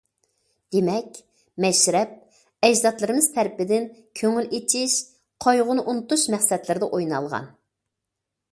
دېمەك، مەشرەپ ئەجدادلىرىمىز تەرىپىدىن كۆڭۈل ئېچىش، قايغۇنى ئۇنتۇش مەقسەتلىرىدە ئوينالغان.